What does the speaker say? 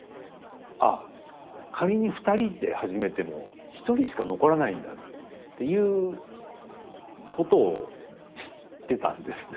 「あっ仮に２人で始めても１人しか残らないんだ」っていうことを知ってたんですね。